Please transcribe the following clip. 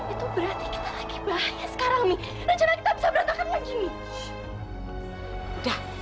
itu berarti kita lagi bahaya sekarang nih rencana kita bisa berantakan lagi nih udah